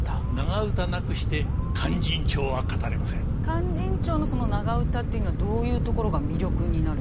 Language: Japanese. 「勧進帳」のその長唄っていうのはどういうところが魅力になるんですか。